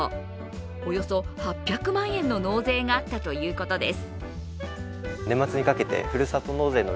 およそ８００万円の納税があったということです。